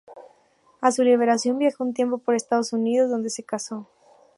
A su liberación viajó un tiempo por Estados Unidos, donde se casó.